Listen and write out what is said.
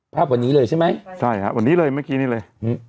ภาพวันนี้เลยใช่ไหมใช่ครับวันนี้เลยเมื่อกี้นี้เลย